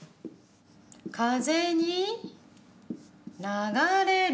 「風」に「流」れる。